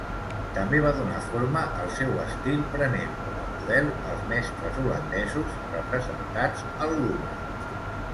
També va donar forma al seu estil prenent com a model els mestres holandesos representats al Louvre.